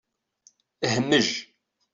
Hmej!